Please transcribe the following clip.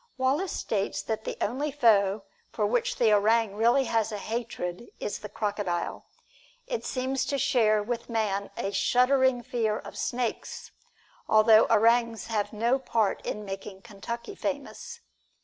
Wallace states that the only foe for which the orang really has a hatred is the crocodile. It seems to share with man a shuddering fear of snakes, although orangs have no part in making Kentucky famous.